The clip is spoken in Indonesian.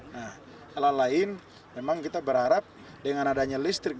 nah hal lain memang kita berharap dengan adanya listrik